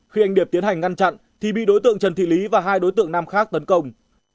khi anh điệp tiến hành ngăn chặn thì bị đối tượng trần thị lý và hai đối tượng nam khác tấn công